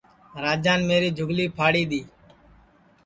راجان میری جُھگلی پھاڑی دؔی